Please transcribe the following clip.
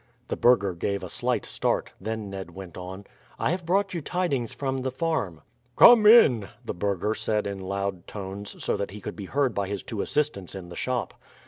The burgher gave a slight start; then Ned went on: "I have brought you tidings from the farm." "Come in," the burgher said in loud tones, so that he could be heard by his two assistants in the shop.